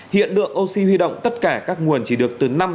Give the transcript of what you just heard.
hiện được oxy huy động tất cả các nguồn chỉ được từ năm đến một mươi tấn một ngày